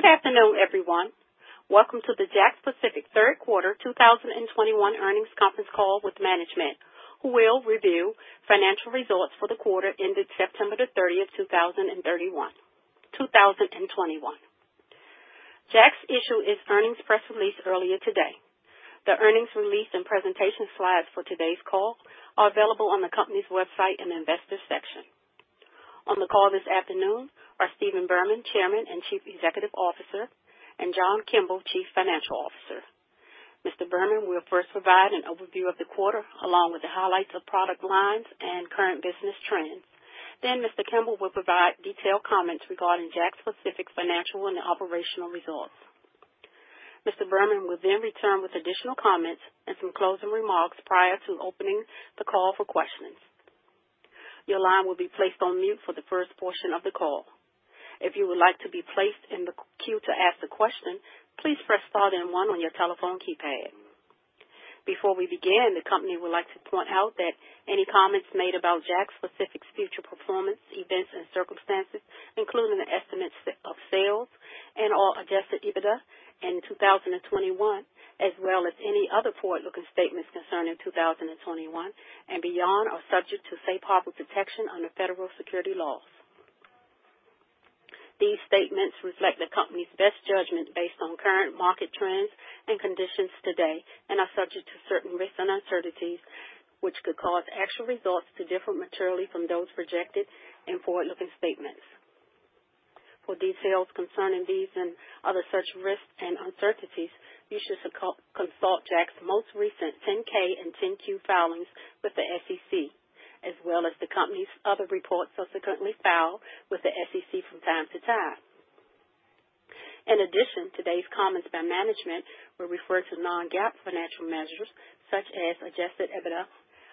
Good afternoon, everyone. Welcome to the JAKKS Pacific third quarter 2021 earnings conference call with management, who will review financial results for the quarter ended September 30th, 2021. JAKKS issued its earnings press release earlier today. The earnings release and presentation slides for today's call are available on the company's website in the Investors section. On the call this afternoon are Stephen Berman, Chairman and Chief Executive Officer, and John Kimble, Chief Financial Officer. Mr. Berman will first provide an overview of the quarter, along with the highlights of product lines and current business trends. Mr. Kimball will provide detailed comments regarding JAKKS Pacific's financial and operational results. Mr. Berman will then return with additional comments and some closing remarks prior to opening the call for questions. Your line will be placed on mute for the first portion of the call. If you would like to be placed in the queue to ask the question, please press star one on your telephone keypad. Before we begin, the company would like to point out that any comments made about JAKKS Pacific's future performance, events, and circumstances, including the estimates of sales and all adjusted EBITDA in 2021, as well as any other forward-looking statements concerning 2021 and beyond, are subject to safe harbor protection under federal securities laws. These statements reflect the company's best judgment based on current market trends and conditions today and are subject to certain risks and uncertainties which could cause actual results to differ materially from those projected in forward-looking statements. For details concerning these and other such risks and uncertainties, you should consult JAKKS's most recent 10-K and 10-Q filings with the SEC, as well as the company's other reports subsequently filed with the SEC from time to time. In addition, today's comments by management will refer to non-GAAP financial measures such as adjusted EBITDA.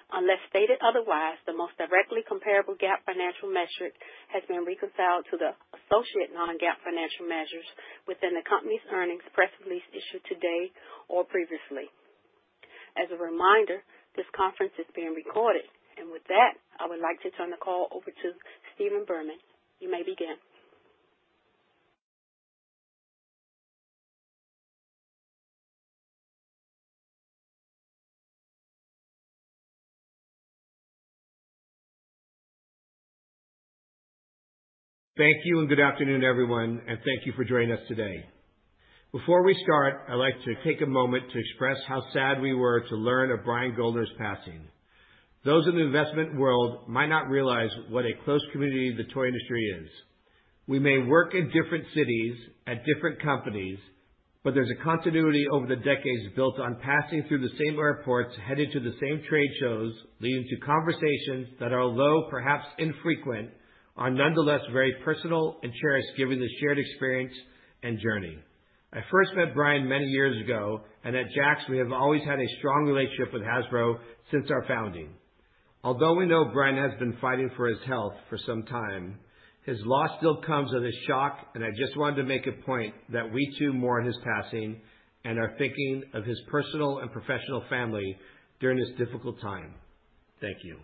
Unless stated otherwise, the most directly comparable GAAP financial metric has been reconciled to the associated non-GAAP financial measures within the company's earnings press release issued today or previously. As a reminder, this conference is being recorded. With that, I would like to turn the call over to Stephen Berman. You may begin. Thank you and good afternoon, everyone, and thank you for joining us today. Before we start, I'd like to take a moment to express how sad we were to learn of Brian Goldner's passing. Those in the investment world might not realize what a close community the toy industry is. We may work in different cities at different companies, but there's a continuity over the decades built on passing through the same airports, headed to the same trade shows, leading to conversations that are few, perhaps infrequent, are nonetheless very personal and cherished, given the shared experience and journey. I first met Brian many years ago, and at JAKKS, we have always had a strong relationship with Hasbro since our founding. Although we know Brian has been fighting for his health for some time, his loss still comes as a shock, and I just wanted to make a point that we too mourn his passing and are thinking of his personal and professional family during this difficult time. Thank you.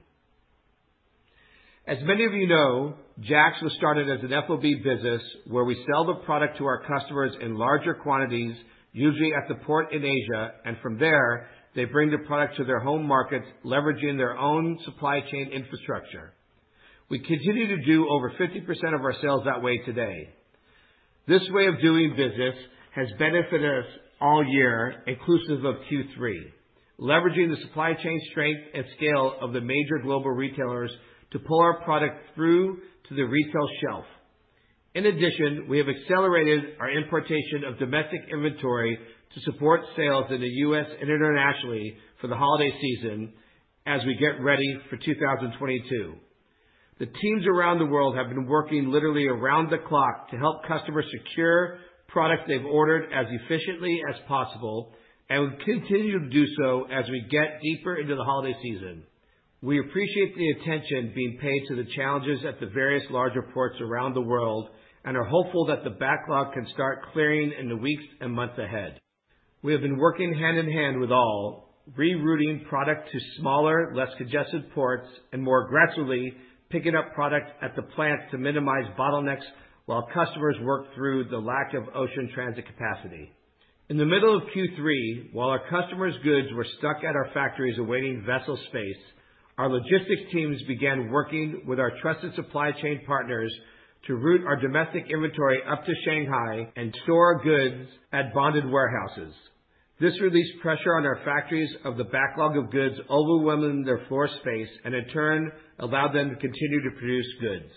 As many of you know, JAKKS was started as an FOB business where we sell the product to our customers in larger quantities, usually at the port in Asia. From there, they bring the product to their home markets, leveraging their own supply chain infrastructure. We continue to do over 50% of our sales that way today. This way of doing business has benefited us all year, inclusive of Q3, leveraging the supply chain strength and scale of the major global retailers to pull our product through to the retail shelf. In addition, we have accelerated our importation of domestic inventory to support sales in the U.S. and internationally for the holiday season as we get ready for 2022. The teams around the world have been working literally around the clock to help customers secure product they've ordered as efficiently as possible, and we continue to do so as we get deeper into the holiday season. We appreciate the attention being paid to the challenges at the various larger ports around the world and are hopeful that the backlog can start clearing in the weeks and months ahead. We have been working hand in hand with all, rerouting product to smaller, less congested ports, and more aggressively picking up product at the plant to minimize bottlenecks while customers work through the lack of ocean transit capacity. In the middle of Q3, while our customers' goods were stuck at our factories awaiting vessel space, our logistics teams began working with our trusted supply chain partners to route our domestic inventory up to Shanghai and store our goods at bonded warehouses. This released pressure on our factories of the backlog of goods overwhelming their floor space, and in turn allowed them to continue to produce goods.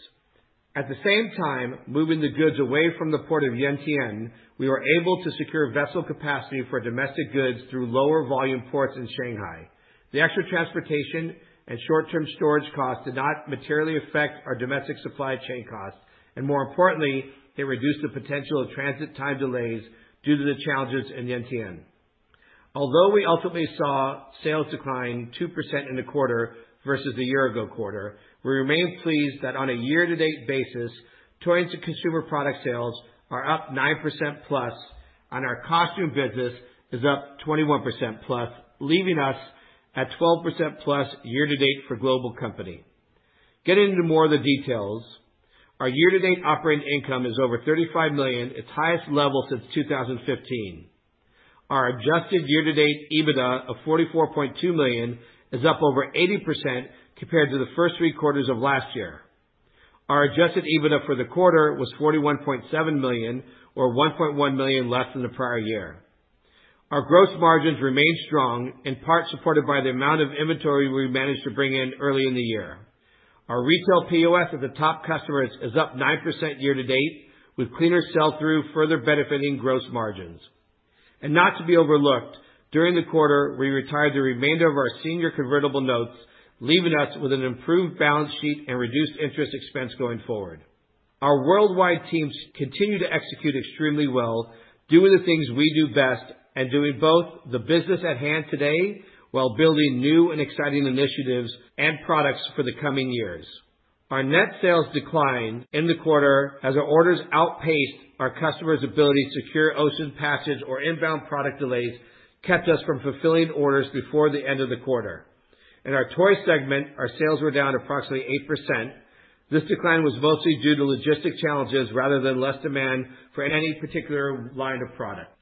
At the same time, moving the goods away from the port of Yantian, we were able to secure vessel capacity for domestic goods through lower volume ports in Shanghai. The extra transportation and short-term storage costs did not materially affect our domestic supply chain costs, and more importantly, it reduced the potential of transit time delays due to the challenges in Yantian. Although we ultimately saw sales decline 2% in the quarter versus the year-ago quarter, we remain pleased that on a year-to-date basis, toys and consumer product sales are up 9%+, and our costume business is up 21%+, leaving us at 12%+ year to date for global company. Getting into more of the details, our year-to-date operating income is over $35 million, its highest level since 2015. Our adjusted year-to-date EBITDA of $44.2 million is up over 80% compared to the first three quarters of last year. Our adjusted EBITDA for the quarter was $41.7 million or $1.1 million less than the prior year. Our gross margins remained strong, in part supported by the amount of inventory we managed to bring in early in the year. Our retail POS at the top customers is up 9% year-to-date, with cleaner sell-through further benefiting gross margins. Not to be overlooked, during the quarter, we retired the remainder of our senior convertible notes, leaving us with an improved balance sheet and reduced interest expense going forward. Our worldwide teams continue to execute extremely well, doing the things we do best and doing both the business at hand today while building new and exciting initiatives and products for the coming years. Our net sales declined in the quarter as our orders outpaced our customers' ability to secure ocean passage or inbound product delays kept us from fulfilling orders before the end of the quarter. In our toy segment, our sales were down approximately 8%. This decline was mostly due to logistics challenges rather than less demand for any particular line of product.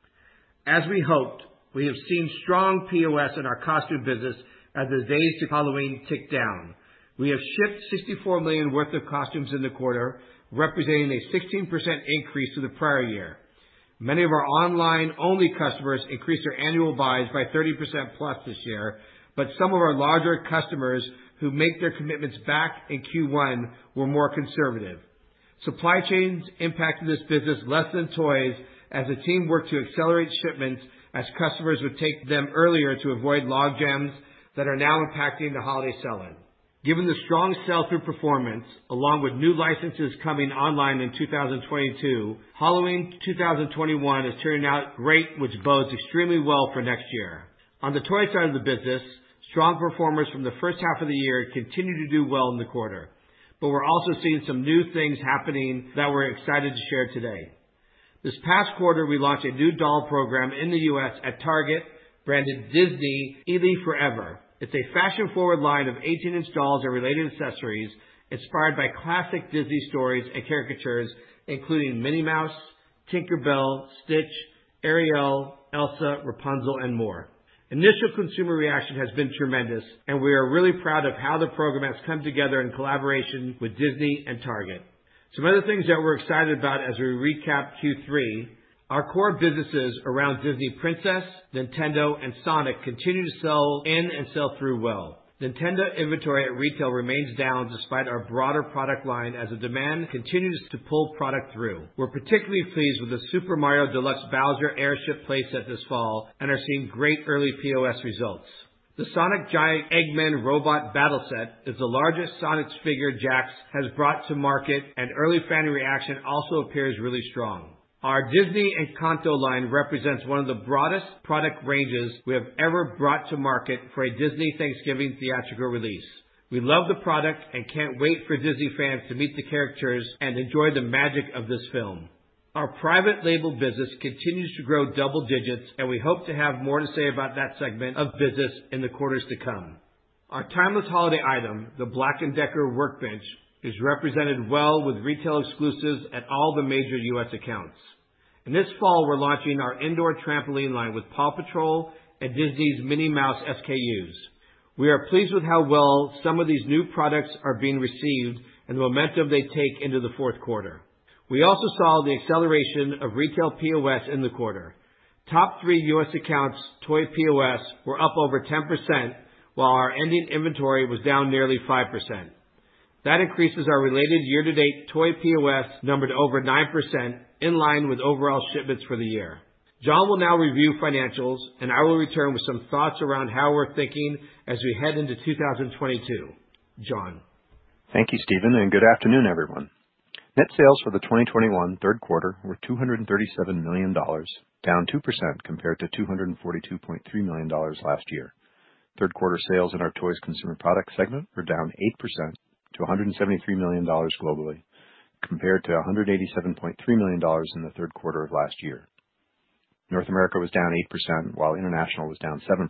As we hoped, we have seen strong POS in our costume business as the days to Halloween tick down. We have shipped $64 million worth of costumes in the quarter, representing a 16% increase to the prior year. Many of our online-only customers increased their annual buys by 30% plus this year, but some of our larger customers who make their commitments back in Q1 were more conservative. Supply chains impacted this business less than toys as the team worked to accelerate shipments as customers would take them earlier to avoid logjams that are now impacting the holiday selling. Given the strong sell-through performance, along with new licenses coming online in 2022, Halloween 2021 is turning out great, which bodes extremely well for next year. On the toy side of the business, strong performers from the first half of the year continue to do well in the quarter. We're also seeing some new things happening that we're excited to share today. This past quarter, we launched a new doll program in the U.S. at Target branded Disney ily 4EVER. It's a fashion-forward line of 18-inch dolls or related accessories inspired by classic Disney stories and caricatures, including Minnie Mouse, Tinker Bell, Stitch, Ariel, Elsa, Rapunzel, and more. Initial consumer reaction has been tremendous, and we are really proud of how the program has come together in collaboration with Disney and Target. Some other things that we're excited about as we recap Q3, our core businesses around Disney Princess, Nintendo, and Sonic continue to sell in and sell through well. Nintendo inventory at retail remains down despite our broader product line as the demand continues to pull product through. We're particularly pleased with the Super Mario Deluxe Bowser's Airship playset this fall and are seeing great early POS results. The Sonic Giant Eggman Robot Battle Set is the largest Sonic figure JAKKS has brought to market, and early fan reaction also appears really strong. Our Disney Encanto line represents one of the broadest product ranges we have ever brought to market for a Disney Thanksgiving theatrical release. We love the product and can't wait for Disney fans to meet the characters and enjoy the magic of this film. Our private label business continues to grow double digits, and we hope to have more to say about that segment of business in the quarters to come. Our timeless holiday item, the Black & Decker workbench, is represented well with retail exclusives at all the major U.S. accounts. This fall, we're launching our indoor trampoline line with PAW Patrol and Disney's Minnie Mouse SKUs. We are pleased with how well some of these new products are being received and the momentum they take into the fourth quarter. We also saw the acceleration of retail POS in the quarter. Top three U.S. accounts toy POS were up over 10%, while our ending inventory was down nearly 5%. That increases our related year-to-date toy POS number to over 9% in line with overall shipments for the year. John will now review financials, and I will return with some thoughts around how we're thinking as we head into 2022. John? Thank you, Stephen, and good afternoon, everyone. Net sales for the 2021 third quarter were $237 million, down 2% compared to $242.3 million last year. Third quarter sales in our Toy Consumer Products segment were down 8% to $173 million globally, compared to $187.3 million in the third quarter of last year. North America was down 8%, while international was down 7%,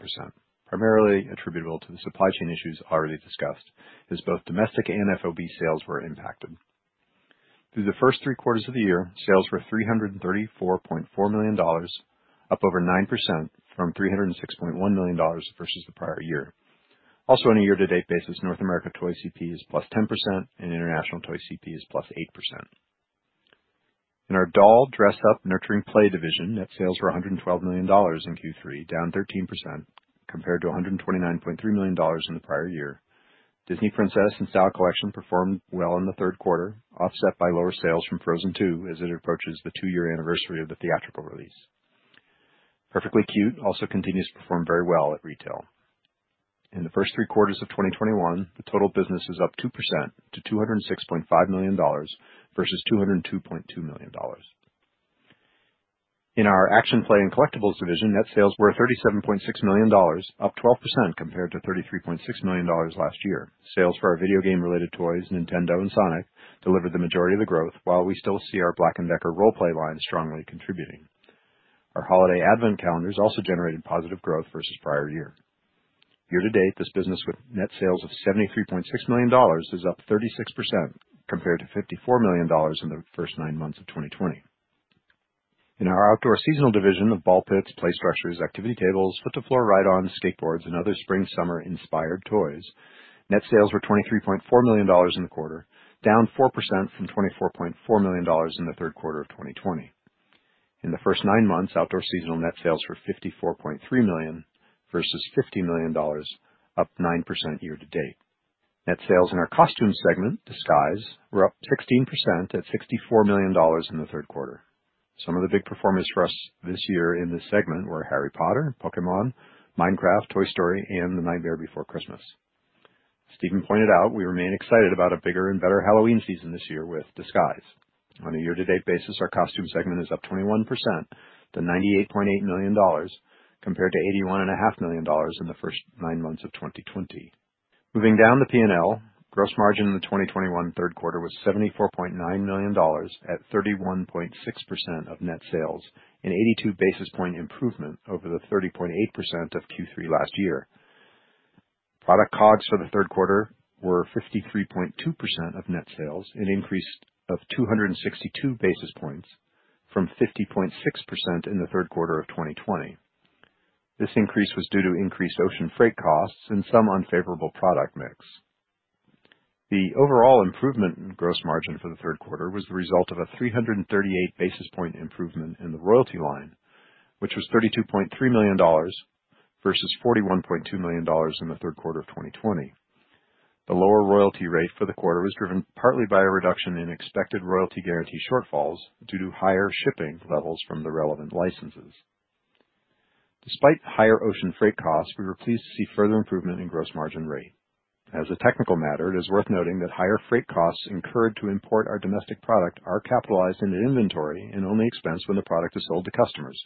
primarily attributable to the supply chain issues already discussed, as both domestic and FOB sales were impacted. Through the first three quarters of the year, sales were $334.4 million, up over 9% from $306.1 million versus the prior year. Also on a year-to-date basis, North America Toy CP is +10% and International Toy CP is +8%. In our doll dress up nurturing play division, net sales were $112 million in Q3, down 13% compared to $129.3 million in the prior year. Disney Princess and Style Collection performed well in the third quarter, offset by lower sales from Frozen II as it approaches the two-year anniversary of the theatrical release. Perfectly Cute also continues to perform very well at retail. In the first three quarters of 2021, the total business is up 2% to $206.5 million versus $202.2 million. In our action play and collectibles division, net sales were $37.6 million, up 12% compared to $33.6 million last year. Sales for our video game-related toys, Nintendo and Sonic, delivered the majority of the growth, while we still see our Black & Decker role play line strongly contributing. Our holiday advent calendars also generated positive growth versus prior year. Year-to-date, this business with net sales of $73.6 million is up 36% compared to $54 million in the first nine months of 2020. In our outdoor seasonal division of ball pits, play structures, activity tables, foot to floor ride-ons, skateboards and other spring/summer inspired toys, net sales were $23.4 million in the quarter, down 4% from $24.4 million in the third quarter of 2020. In the first nine months, outdoor seasonal net sales were $54.3 million versus $50 million, up 9% year-to-date. Net sales in our costume segment, Disguise, were up 16% at $64 million in the third quarter. Some of the big performers for us this year in this segment were Harry Potter, Pokémon, Minecraft, Toy Story, and The Nightmare Before Christmas. Stephen pointed out we remain excited about a bigger and better Halloween season this year with Disguise. On a year-to-date basis, our costume segment is up 21% to $98.8 million, compared to $81.5 million in the first nine months of 2020. Moving down the P&L, gross margin in the 2021 third quarter was $74.9 million at 31.6% of net sales, an 82 basis point improvement over the 30.8% of Q3 last year. Product COGS for the third quarter were 53.2% of net sales, an increase of 262 basis points from 50.6% in the third quarter of 2020. This increase was due to increased ocean freight costs and some unfavorable product mix. The overall improvement in gross margin for the third quarter was the result of a 338 basis point improvement in the royalty line, which was $32.3 million versus $41.2 million in the third quarter of 2020. The lower royalty rate for the quarter was driven partly by a reduction in expected royalty guarantee shortfalls due to higher shipping levels from the relevant licenses. Despite higher ocean freight costs, we were pleased to see further improvement in gross margin rate. As a technical matter, it is worth noting that higher freight costs incurred to import our domestic product are capitalized into inventory and only expensed when the product is sold to customers.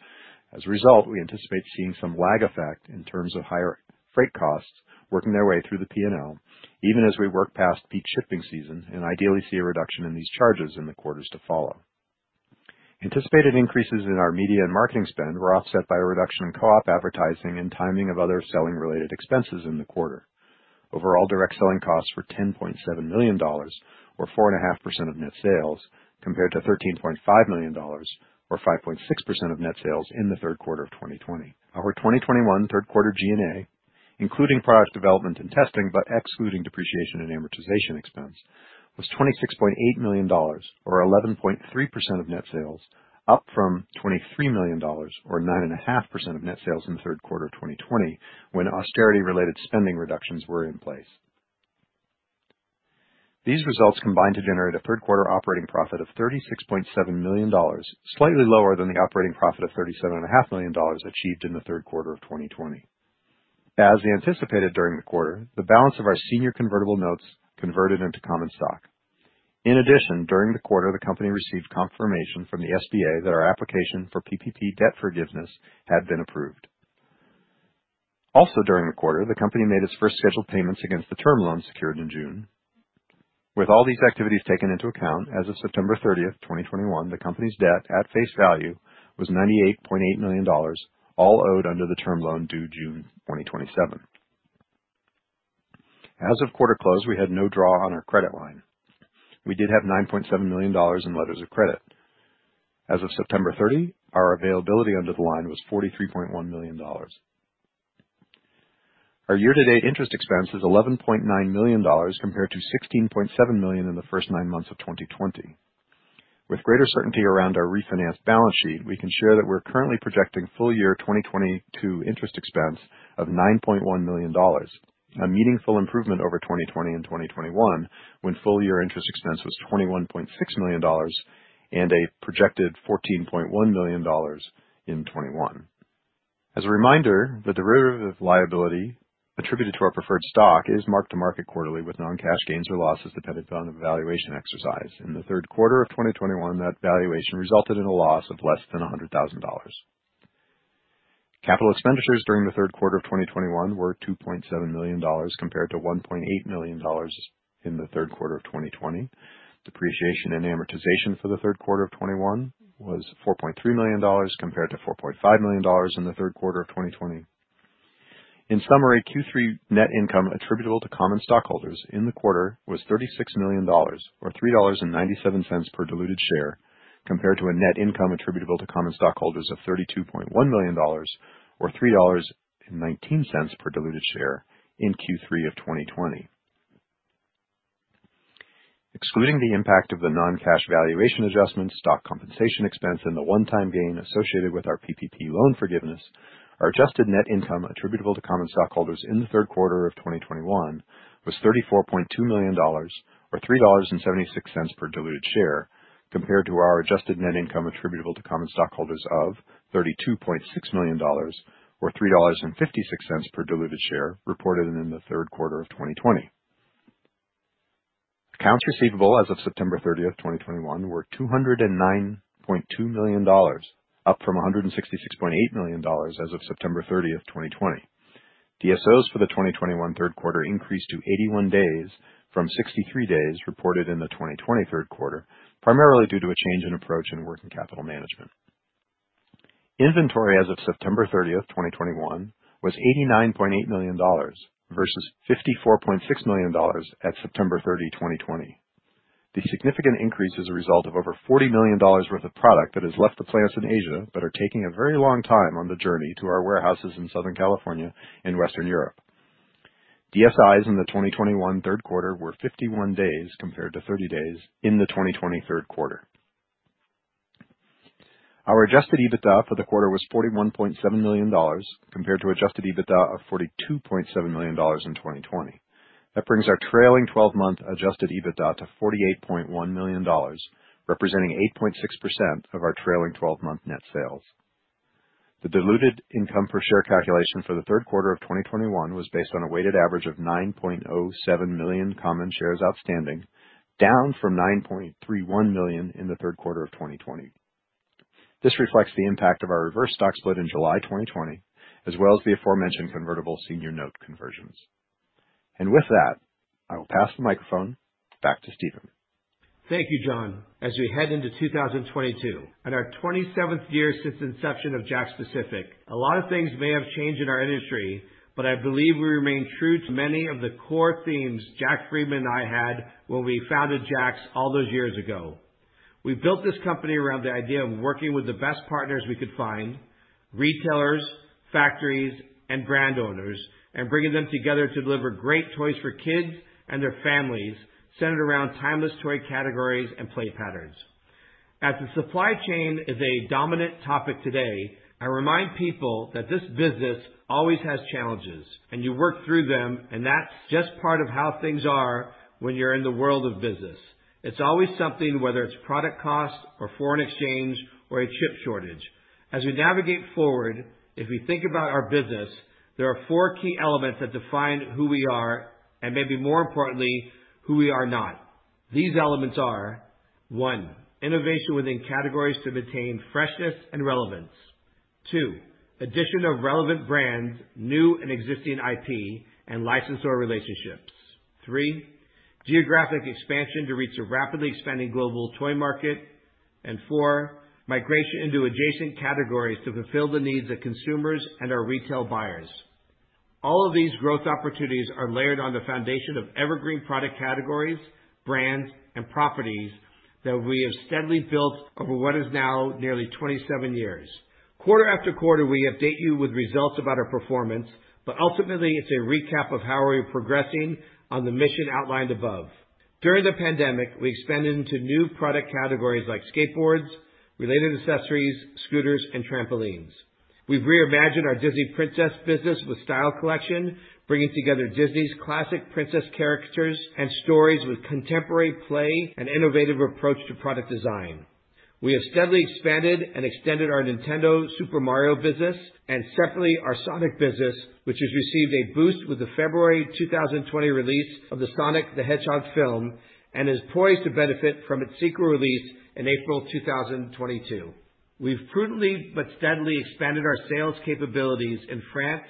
As a result, we anticipate seeing some lag effect in terms of higher freight costs working their way through the P&L, even as we work past peak shipping season and ideally see a reduction in these charges in the quarters to follow. Anticipated increases in our media and marketing spend were offset by a reduction in co-op advertising and timing of other selling-related expenses in the quarter. Overall direct selling costs were $10.7 million or 4.5% of net sales, compared to $13.5 million or 5.6% of net sales in the third quarter of 2020. Our 2021 third quarter G&A, including product development and testing, but excluding depreciation and amortization expense, was $26.8 million or 11.3% of net sales, up from $23 million or 9.5% of net sales in the third quarter of 2020, when austerity-related spending reductions were in place. These results combined to generate a third quarter operating profit of $36.7 million, slightly lower than the operating profit of $37.5 million achieved in the third quarter of 2020. As we anticipated during the quarter, the balance of our senior convertible notes converted into common stock. In addition, during the quarter, the company received confirmation from the SBA that our application for PPP debt forgiveness had been approved. Also during the quarter, the company made its first scheduled payments against the term loan secured in June. With all these activities taken into account, as of September 30th, 2021, the company's debt at face value was $98.8 million, all owed under the term loan due June 2027. As of quarter close, we had no draw on our credit line. We did have $9.7 million in letters of credit. As of September 30, our availability under the line was $43.1 million. Our year-to-date interest expense is $11.9 million compared to $16.7 million in the first nine months of 2020. With greater certainty around our refinanced balance sheet, we can share that we're currently projecting full year 2022 interest expense of $9.1 million, a meaningful improvement over 2020 and 2021, when full year interest expense was $21.6 million and a projected $14.1 million in 2021. As a reminder, the derivative liability attributed to our preferred stock is mark-to-market quarterly with non-cash gains or losses dependent upon the valuation exercise. In the third quarter of 2021, net valuation resulted in a loss of less than $100,000. Capital expenditures during the third quarter of 2021 were $2.7 million, compared to $1.8 million in the third quarter of 2020. Depreciation and amortization for the third quarter of 2021 was $4.3 million compared to $4.5 million in the third quarter of 2020. In summary, Q3 net income attributable to common stockholders in the quarter was $36 million or $3.97 per diluted share, compared to a net income attributable to common stockholders of $32.1 million or $3.19 per diluted share in Q3 of 2020. Excluding the impact of the non-cash valuation adjustment, stock compensation expense and the one-time gain associated with our PPP loan forgiveness, our adjusted net income attributable to common stockholders in the third quarter of 2021 was $34.2 million or $3.76 per diluted share, compared to our adjusted net income attributable to common stockholders of $32.6 million or $3.56 per diluted share reported in the third quarter of 2020. Accounts receivable as of September 30th, 2021, were $209.2 million, up from $166.8 million as of September 30th, 2020. DSOs for the 2021 third quarter increased to 81 days from 63 days reported in the 2020 third quarter, primarily due to a change in approach in working capital management. Inventory as of September 30th, 2021 was $89.8 million versus $54.6 million at September 30, 2020. The significant increase is a result of over $40 million worth of product that has left the plants in Asia but are taking a very long time on the journey to our warehouses in Southern California and Western Europe. DSIs in the 2021 third quarter were 51 days compared to 30 days in the 2020 third quarter. Our adjusted EBITDA for the quarter was $41.7 million compared to adjusted EBITDA of $42.7 million in 2020. That brings our trailing twelve-month adjusted EBITDA to $48.1 million, representing 8.6% of our trailing twelve-month net sales. The diluted income per share calculation for the third quarter of 2021 was based on a weighted average of 9.7 million common shares outstanding, down from 9.31 million in the third quarter of 2020. This reflects the impact of our reverse stock split in July 2020, as well as the aforementioned convertible senior note conversions. With that, I will pass the microphone back to Steven. Thank you, John. As we head into 2022 and our 27th year since inception of JAKKS Pacific, a lot of things may have changed in our industry, but I believe we remain true to many of the core themes Jack Friedman and I had when we founded JAKKS all those years ago. We built this company around the idea of working with the best partners we could find, retailers, factories and brand owners, and bringing them together to deliver great toys for kids and their families, centered around timeless toy categories and play patterns. As the supply chain is a dominant topic today, I remind people that this business always has challenges and you work through them, and that's just part of how things are when you're in the world of business. It's always something, whether it's product cost or foreign exchange or a chip shortage. As we navigate forward, if we think about our business, there are four key elements that define who we are and maybe more importantly, who we are not. These elements are, 1. Innovation within categories to maintain freshness and relevance. 2. Addition of relevant brands, new and existing IP and licensor relationships. 3. Geographic expansion to reach a rapidly expanding global toy market. 4. Migration into adjacent categories to fulfill the needs of consumers and our retail buyers. All of these growth opportunities are layered on the foundation of evergreen product categories, brands and properties that we have steadily built over what is now nearly 27 years. Quarter after quarter, we update you with results about our performance, but ultimately it's a recap of how we're progressing on the mission outlined above. During the pandemic, we expanded into new product categories like skateboards, related accessories, scooters and trampolines. We've reimagined our Disney Princess business with Style Collection, bringing together Disney's classic princess characters and stories with contemporary play and innovative approach to product design. We have steadily expanded and extended our Nintendo Super Mario business and separately, our Sonic business, which has received a boost with the February 2020 release of the Sonic the Hedgehog film and is poised to benefit from its sequel release in April 2022. We've prudently but steadily expanded our sales capabilities in France,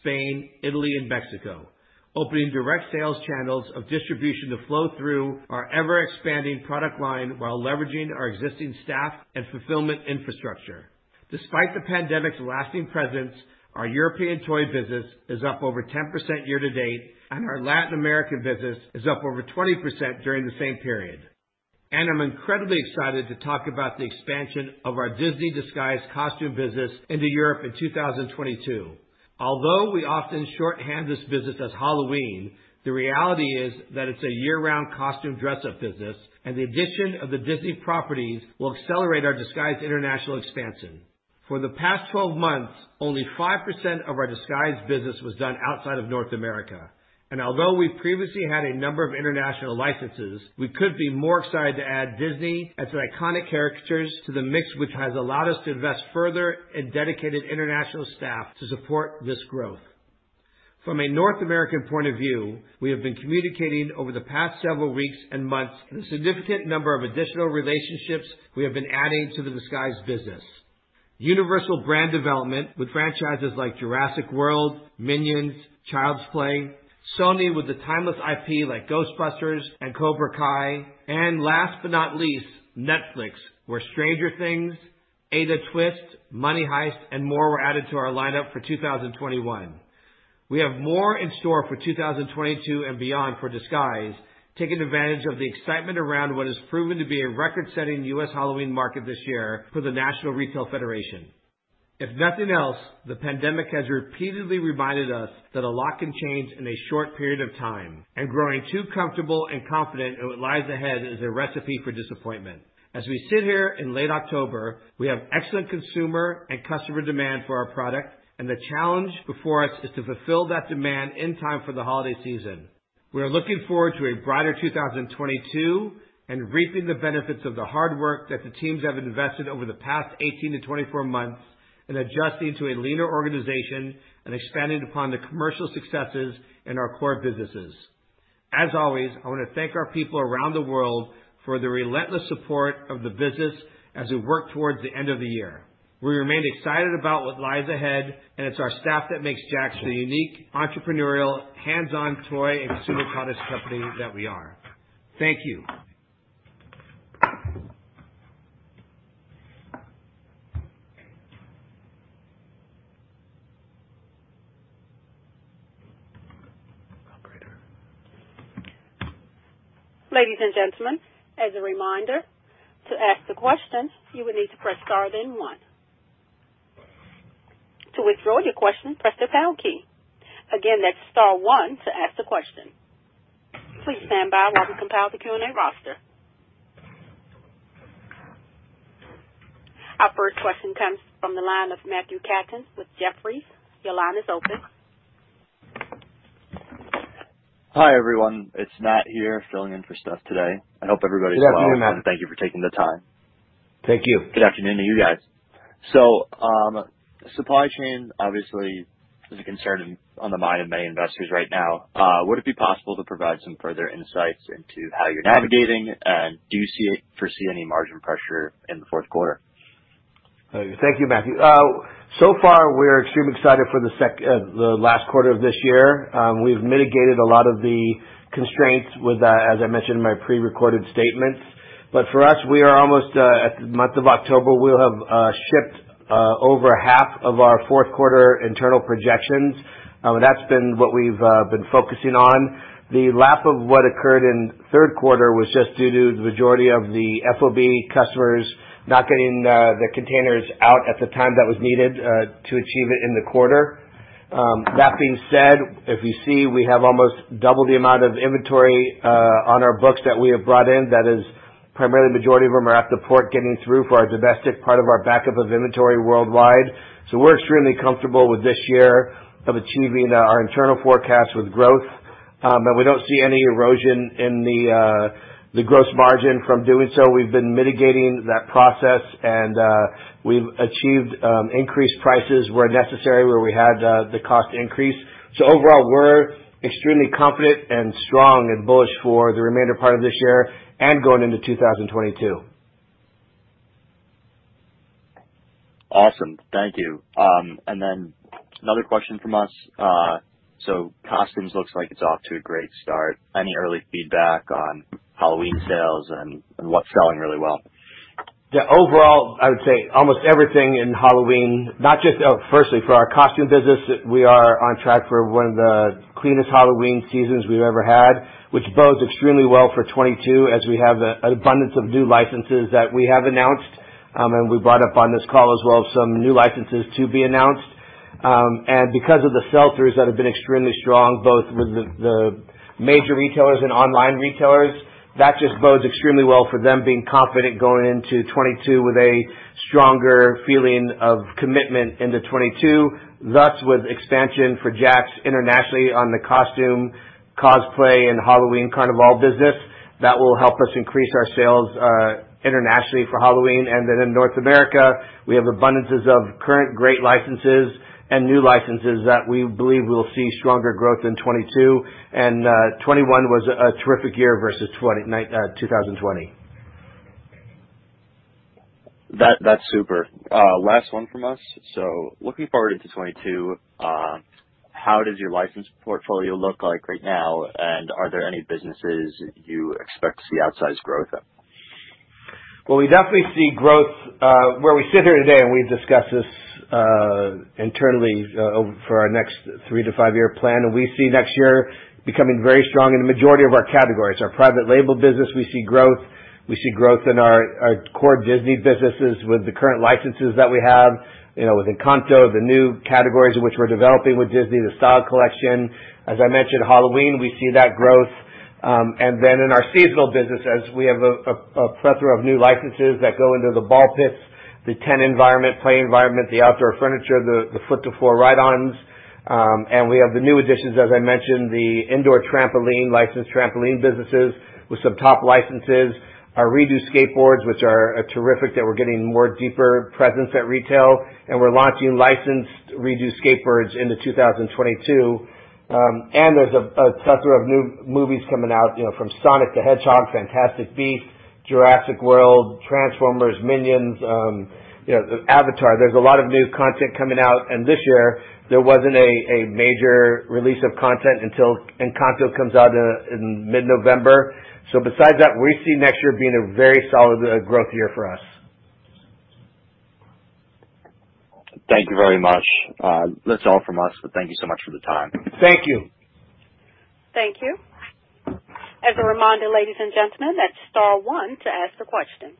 Spain, Italy and Mexico, opening direct sales channels of distribution to flow through our ever-expanding product line while leveraging our existing staff and fulfillment infrastructure. Despite the pandemic's lasting presence, our European toy business is up over 10% year to date, and our Latin American business is up over 20% during the same period. I'm incredibly excited to talk about the expansion of our Disney Disguise costume business into Europe in 2022. Although we often shorthand this business as Halloween, the reality is that it's a year-round costume dress up business, and the addition of the Disney properties will accelerate our Disguise international expansion. For the past 12 months, only 5% of our Disguise business was done outside of North America. Although we previously had a number of international licenses, we could be more excited to add Disney as their iconic characters to the mix, which has allowed us to invest further in dedicated international staff to support this growth. From a North American point of view, we have been communicating over the past several weeks and months the significant number of additional relationships we have been adding to the Disguise business. Universal Brand Development with franchises like Jurassic World, Minions, Child's Play, Sony with the timeless IP like Ghostbusters and Cobra Kai. Last but not least, Netflix, where Stranger Things, Ada Twist, Money Heist, and more were added to our lineup for 2021. We have more in store for 2022 and beyond for Disguise, taking advantage of the excitement around what has proven to be a record-setting U.S. Halloween market this year for the National Retail Federation. If nothing else, the pandemic has repeatedly reminded us that a lot can change in a short period of time, and growing too comfortable and confident in what lies ahead is a recipe for disappointment. As we sit here in late October, we have excellent consumer and customer demand for our product, and the challenge before us is to fulfill that demand in time for the holiday season. We are looking forward to a brighter 2022 and reaping the benefits of the hard work that the teams have invested over the past 18-24 months in adjusting to a leaner organization and expanding upon the commercial successes in our core businesses. As always, I want to thank our people around the world for their relentless support of the business as we work towards the end of the year. We remain excited about what lies ahead, and it's our staff that makes JAKKS the unique entrepreneurial hands-on toy and consumer products company that we are. Thank you. Ladies and gentlemen, as a reminder, to ask the question, you will need to press star then one. To withdraw your question, press the pound key. Again, that's star one to ask the question. Please stand by while we compile the Q&A roster. Our first question comes from the line of Matthew Katinas with Jefferies. Your line is open. Hi, everyone. It's Matt here filling in for Seth today. I hope everybody is well. Good afternoon, Matt. Thank you for taking the time. Thank you. Good afternoon to you guys. Supply chain obviously is a concern on the mind of many investors right now. Would it be possible to provide some further insights into how you're navigating? Do you foresee any margin pressure in the fourth quarter? Thank you, Matthew. So far, we're extremely excited for the last quarter of this year. We've mitigated a lot of the constraints with that, as I mentioned in my prerecorded statements. For us, we are almost at the month of October. We'll have shipped over half of our fourth quarter internal projections. That's been what we've been focusing on. The lag of what occurred in third quarter was just due to the majority of the FOB customers not getting the containers out at the time that was needed to achieve it in the quarter. That being said, if you see, we have almost double the amount of inventory on our books than we have brought in. That is, primarily the majority of them are at the port getting through for our domestic part of our backup of inventory worldwide. We're extremely comfortable this year with achieving our internal forecast with growth. We don't see any erosion in the gross margin from doing so. We've been mitigating that process and we've achieved increased prices where necessary, where we had the cost increase. Overall, we're extremely confident, strong, and bullish for the remainder part of this year and going into 2022. Awesome. Thank you. Another question from us. Costumes looks like it's off to a great start. Any early feedback on Halloween sales and what's selling really well? Yeah. Overall, I would say almost everything in Halloween, firstly, for our costume business, we are on track for one of the cleanest Halloween seasons we've ever had, which bodes extremely well for 2022, as we have an abundance of new licenses that we have announced, and we brought up on this call as well, some new licenses to be announced. Because of the sell-throughs that have been extremely strong, both with the major retailers and online retailers, that just bodes extremely well for them being confident going into 2022 with a stronger feeling of commitment into 2022. Thus, with expansion for JAKKS internationally on the costume, cosplay and Halloween carnival business, that will help us increase our sales internationally for Halloween. In North America, we have an abundance of current great licenses and new licenses that we believe will see stronger growth in 2022. 2021 was a terrific year versus 2020. That's super. Last one from us. Looking forward into 2022, how does your license portfolio look like right now, and are there any businesses you expect to see outsized growth at? Well, we definitely see growth, where we sit here today, and we've discussed this internally for our next 3- to 5-year plan. We see next year becoming very strong in the majority of our categories. Our private label business, we see growth. We see growth in our core Disney businesses with the current licenses that we have with Encanto, the new categories of which we're developing with Disney, the style collection. As I mentioned, Halloween, we see that growth. In our seasonal businesses, we have a plethora of new licenses that go into the ball pits, the tent environment, play environment, the outdoor furniture, the 2- to 4- ride-ons. We have the new additions, as I mentioned, the indoor trampoline license, trampoline businesses with some top licenses. Our ReDo skateboards, which are terrific, that we're getting more deeper presence at retail. We're launching licensed ReDo skateboards into 2022. There's a plethora of new movies coming out from Sonic the Hedgehog, Fantastic Beasts, Jurassic World, Transformers, Minions, Avatar. There's a lot of new content coming out. This year there wasn't a major release of content until Encanto comes out in mid-November. Besides that, we see next year being a very solid growth year for us. Thank you very much. That's all from us, but thank you so much for the time. Thank you. Thank you. As a reminder, ladies and gentlemen, that's star one to ask a question.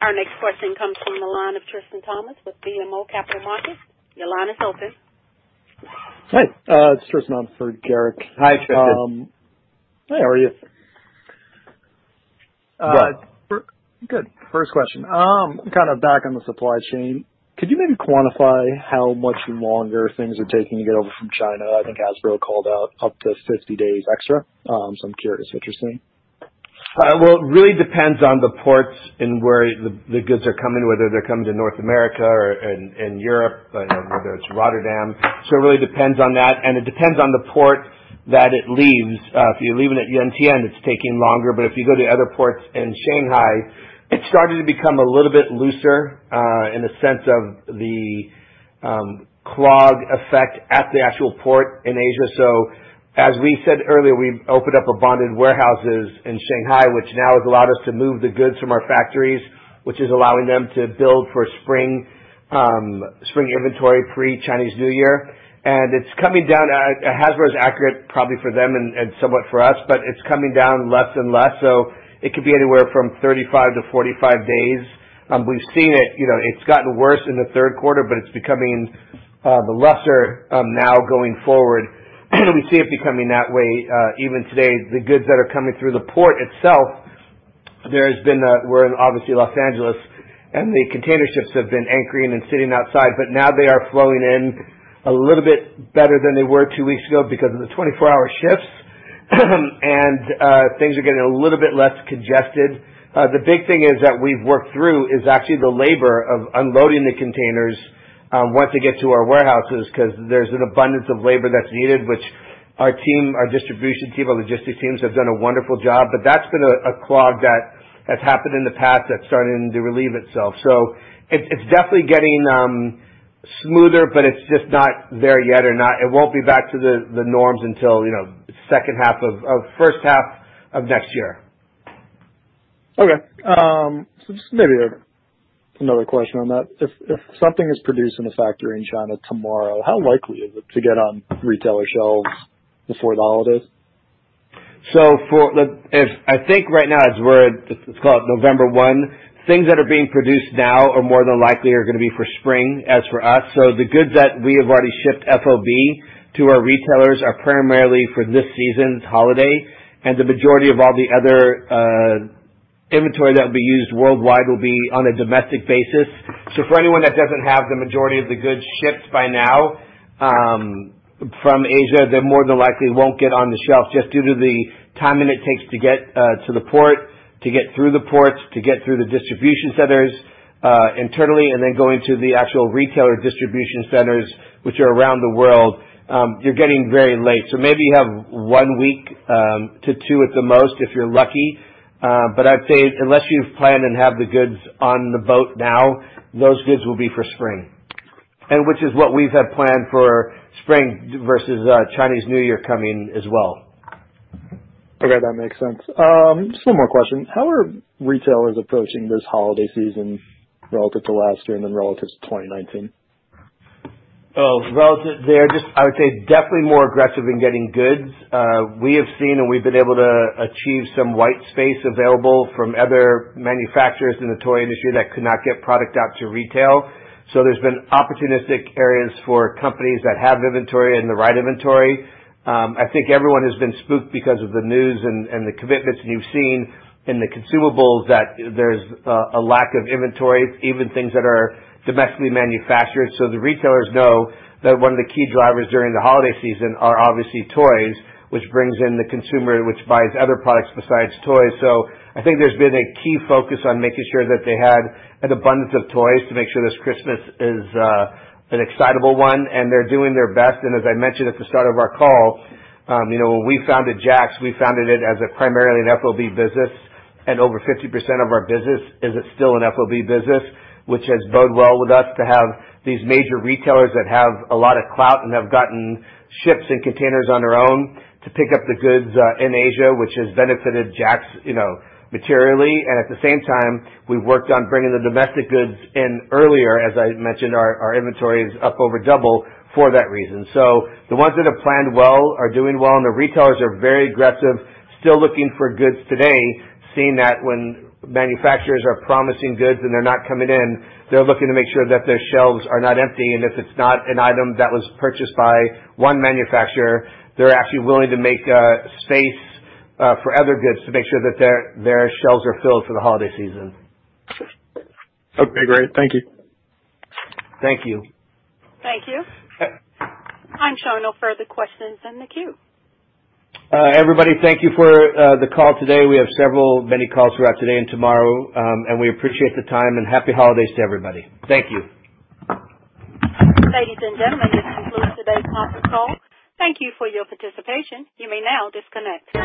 Our next question comes from the line of Tristan Thomas-Martin with BMO Capital Markets. Your line is open. Hi, it's Tristan. I'm for Gerrick. Hi, Tristan. Hey, how are you? Good. Good. First question. Kind of back on the supply chain. Could you maybe quantify how much longer things are taking to get over from China? I think Hasbro called out up to 50 days extra. I'm curious. Interesting. Well, it really depends on the ports and where the goods are coming, whether they're coming to North America or in Europe whether it's Rotterdam. It really depends on that, and it depends on the port that it leaves. If you're leaving at Yantian, it's taking longer. If you go to other ports in Shanghai, it's starting to become a little bit looser in the sense of the clog effect at the actual port in Asia. As we said earlier, we opened up a bonded warehouses in Shanghai, which now has allowed us to move the goods from our factories, which is allowing them to build for spring inventory pre-Chinese New Year. It's coming down. Hasbro is accurate probably for them and somewhat for us, but it's coming down less and less. It could be anywhere from 35-45 days. We've seen it. It's gotten worse in the third quarter, but it's becoming the lesser now going forward. We see it becoming that way. Even today, the goods that are coming through the port itself, we're obviously in Los Angeles, and the container ships have been anchoring and sitting outside, but now they are flowing in a little bit better than they were two weeks ago because of the 24-hour shifts, and things are getting a little bit less congested. The big thing that we've worked through is actually the labor of unloading the containers once they get to our warehouses, 'cause there's a shortage of labor that's needed, which our team, our distribution team, our logistics teams have done a wonderful job. That's been a clog that has happened in the past that's starting to relieve itself. It's definitely getting smoother, but it's just not there yet or not. It won't be back to the norms until, you know, first half of next year. Okay. Just maybe another question on that. If something is produced in a factory in China tomorrow, how likely is it to get on retailer shelves before the holidays? I think right now as we're at, let's call it November 1, things that are being produced now are more than likely gonna be for spring as for us. The goods that we have already shipped FOB to our retailers are primarily for this season's holiday. The majority of all the other inventory that will be used worldwide will be on a domestic basis. For anyone that doesn't have the majority of the goods shipped by now from Asia, they more than likely won't get on the shelves just due to the timing it takes to get to the port, to get through the ports, to get through the distribution centers internally, and then going to the actual retailer distribution centers, which are around the world. You're getting very late. Maybe you have 1 week to 2 at the most if you're lucky. I'd say unless you've planned and have the goods on the boat now, those goods will be for spring, which is what we've had planned for spring versus Chinese New Year coming as well. Okay, that makes sense. Just one more question. How are retailers approaching this holiday season relative to last year and then relative to 2019? Overall, they're just, I would say, definitely more aggressive in getting goods. We have seen and we've been able to achieve some white space available from other manufacturers in the toy industry that could not get product out to retail. There's been opportunistic areas for companies that have inventory and the right inventory. I think everyone has been spooked because of the news and the commitments you've seen in the consumables that there's a lack of inventory, even things that are domestically manufactured. The retailers know that one of the key drivers during the holiday season are obviously toys, which brings in the consumer which buys other products besides toys. I think there's been a key focus on making sure that they had an abundance of toys to make sure this Christmas is an excitable one, and they're doing their best. As I mentioned at the start of our call when we founded JAKKS, we founded it as a primarily an FOB business, and over 50% of our business is still an FOB business, which has bode well with us to have these major retailers that have a lot of clout and have gotten ships and containers on their own to pick up the goods, in Asia, which has benefited JAKKS materially. At the same time, we've worked on bringing the domestic goods in earlier. As I mentioned, our inventory is up over double for that reason. The ones that have planned well are doing well, and the retailers are very aggressive, still looking for goods today, seeing that when manufacturers are promising goods and they're not coming in, they're looking to make sure that their shelves are not empty. If it's not an item that was purchased by one manufacturer, they're actually willing to make space for other goods to make sure that their shelves are filled for the holiday season. Okay, great. Thank you. Thank you. Thank you. Yeah. I'm showing no further questions in the queue. Everybody, thank you for the call today. We have several, many calls throughout today and tomorrow. We appreciate the time, and happy holidays to everybody. Thank you. Ladies and gentlemen, this concludes today's conference call. Thank you for your participation. You may now disconnect.